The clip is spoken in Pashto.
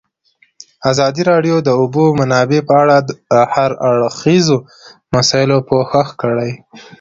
ازادي راډیو د د اوبو منابع په اړه د هر اړخیزو مسایلو پوښښ کړی.